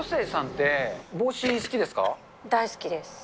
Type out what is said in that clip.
大好きです。